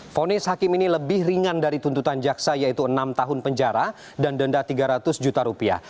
fonis hakim ini lebih ringan dari tuntutan jaksa yaitu enam tahun penjara dan denda tiga ratus juta rupiah